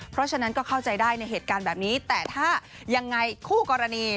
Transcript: เพราะฉะนั้นก็เข้าใจได้ในเหตุการณ์แบบนี้แต่ถ้ายังไงคู่กรณี